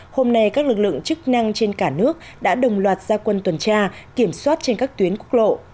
hôm nay các lực lượng chức năng trên cả nước đã đồng loạt gia quân tuần tra kiểm soát trên các tuyến quốc lộ